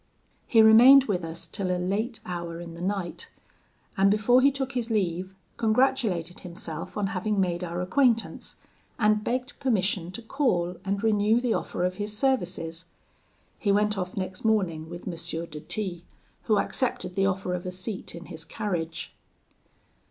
"He remained with us till a late hour in the night, and before he took his leave, congratulated himself on having made our acquaintance, and begged permission to call and renew the offer of his services. He went off next morning with M. de T , who accepted the offer of a seat in his carriage.